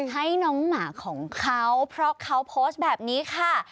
ให้น้องหมาของเขาเพราะเขาโพสต์แบบนี้ค่ะ